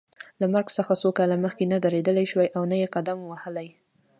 له مرګ څخه څو کاله مخکې نه درېدلای شوای او نه یې قدم وهلای.